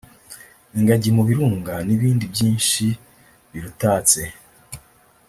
ingagi mu Birunga n’ibindi byinshi birutatse